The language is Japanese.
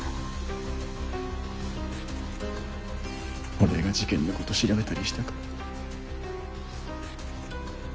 俺が事件のこと調べたりしたから。